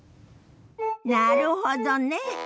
なるほどね。